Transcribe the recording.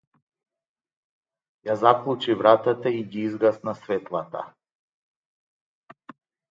Ја заклучи вратата и ги изгасна светлата.